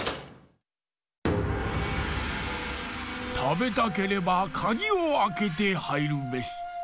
たべたければかぎをあけてはいるべし。